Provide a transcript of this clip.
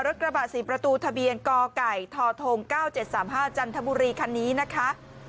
รถกระบะศรีประตูทะเบียนกไก่ทธงเก้าเจ็ดสามห้าจันทบุรีคันนี้นะคะ